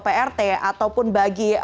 prt ataupun bagi